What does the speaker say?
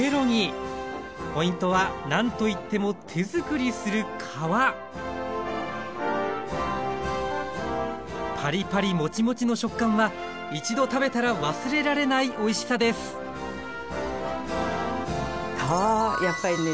ポイントは何といっても手づくりする皮パリパリモチモチの食感は一度食べたら忘れられないおいしさです皮はやっぱりね